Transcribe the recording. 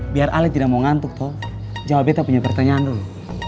biar alih tidak mau ngantuk tuh jawab betta punya pertanyaan dulu